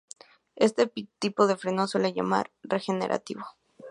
Este tipo de frenos se suele llamar "regenerativo".